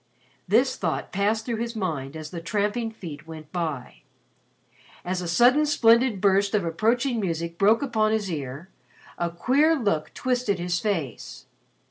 This thought passed through his mind as the tramping feet went by. As a sudden splendid burst of approaching music broke upon his ear, a queer look twisted his face.